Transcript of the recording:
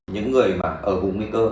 những người mà ở vùng nguy cơ